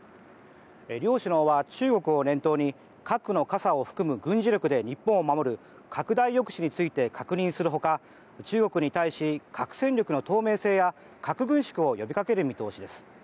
両首脳は中国を念頭に核の傘を含む軍事力で日本を守る拡大抑止について確認するほか中国に対し核戦力の透明性や核軍縮を呼びかける見通しです。